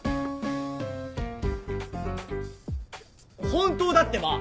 本当だってば！